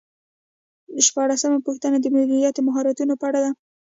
شپاړسمه پوښتنه د مدیریت د مهارتونو په اړه ده.